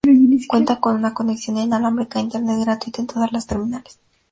Cuenta con conexión inalámbrica a internet gratuita en todas las terminales.